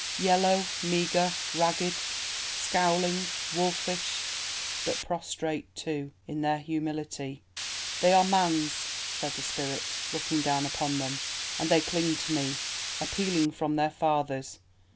Yellow, meagre, ragged, scowling, wolfish; but prostrate, too, in their humility. ... 'They are Man's,' said the Spirit, looking down upon them. 'And they cling to me, appealing from their fathers.